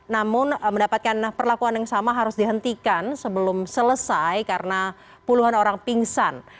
namun mendapatkan perlakuan yang sama harus dihentikan sebelum selesai karena puluhan orang pingsan